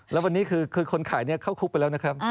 แล้ววันนี้คือคนขายเข้าคุกไปแล้วนะครับ